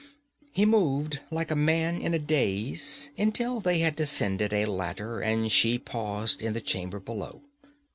He moved like a man in a daze, until they had descended a ladder and she paused in the chamber below.